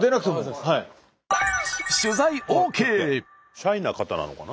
シャイな方なのかな。